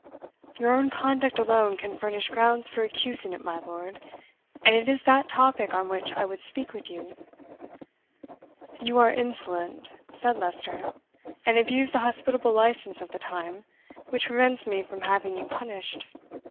"Your own conduct alone can furnish grounds for accusing it, my lord, and it is that topic on which I would speak with you." "You are insolent," said Leicester, "and abuse the hospitable license of the time, which prevents me from having you punished.